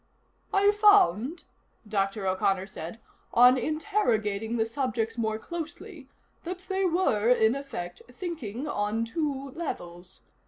"I found," Dr. O'Connor said, "on interrogating the subjects more closely, that they were, in effect, thinking on two levels.